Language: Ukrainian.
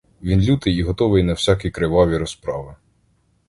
Він лютий і готовий на всякі криваві розправи.